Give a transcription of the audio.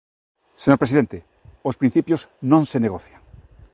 Señor Presidente, os principios non se negocian.